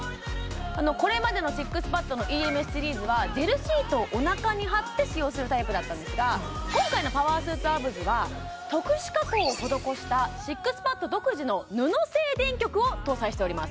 これまでのＳＩＸＰＡＤのＥＭＳシリーズはジェルシートをお腹に貼って使用するタイプだったんですが今回のパワースーツアブズは特殊加工を施したＳＩＸＰＡＤ独自の布製電極を搭載しております